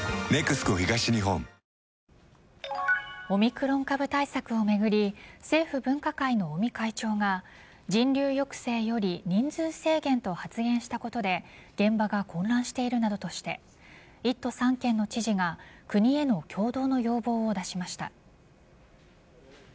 オミクロン株対策を巡り政府分科会の尾身会長が人流抑制より人数制限と発言したことで現場が混乱しているなどとして１都３県の知事が国への共同の要望を出しました。